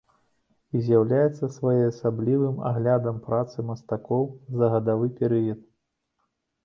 І з'яўляецца своеасаблівым аглядам працы мастакоў за гадавы перыяд.